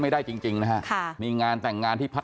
ไม่ได้จริงนะฮะค่ะมีงานแต่งงานที่พัท